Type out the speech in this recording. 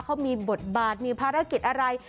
เขามีบทบาทมีภารกิจอะไร